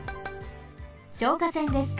消火栓です。